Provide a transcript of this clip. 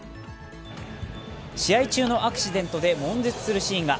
試合中のアクシデントで悶絶するシーンが。